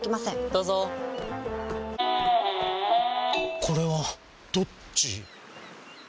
どうぞこれはどっち？